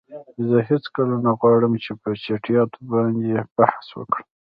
زه هیڅکله نه غواړم چې په چټییاتو باندی بحث وکړم.